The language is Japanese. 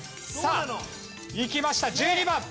さあいきました１２番。